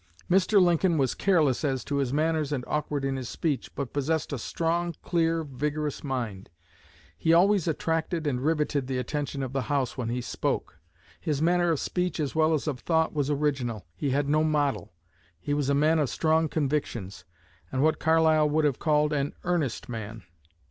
Mr. Lincoln was careless as to his manners and awkward in his speech, but possessed a strong, clear, vigorous mind. He always attracted and riveted the attention of the House when he spoke. His manner of speech as well as of thought was original. He had no model. He was a man of strong convictions, and what Carlyle would have called an earnest man.